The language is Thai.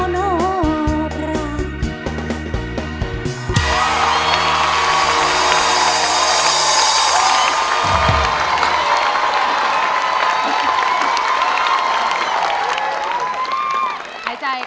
ต้องพาสนบรรย์